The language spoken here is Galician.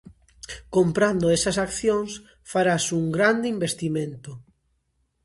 Comprando esas accións, farás un grande investimento.